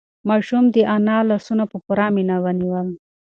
ماشوم د انا لاسونه په پوره مینه ونیول.